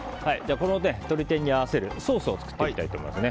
この鶏天に合わせるソースを作っていきたいと思います。